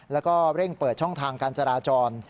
แล้วก็เร่งเปิดช่องทางการจราจร